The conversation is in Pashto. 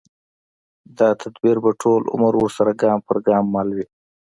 دا تدبیر به ټول عمر ورسره ګام پر ګام مل وي